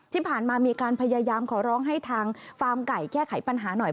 ที่ผ่านมามีการพยายามขอร้องให้ทางฟาร์มไก่แก้ไขปัญหาหน่อย